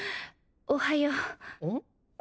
おはよううん？